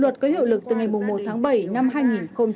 luật có hiệu lực từ ngày một tháng bảy năm hai nghìn hai mươi